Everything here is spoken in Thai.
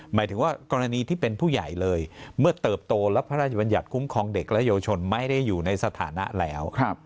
หมายถึงว่ากรณีที่เป็นผู้ใหญ่เลยเมื่อเติบโตแล้วพระราชบัญญัติคุ้มครองเด็กและเยาวชนไม่ได้อยู่ในสถานะแล้ว